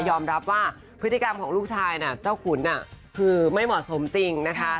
ยอมรับว่าพฤติกรรมของลูกชายน่ะเจ้าขุนคือไม่เหมาะสมจริงนะคะ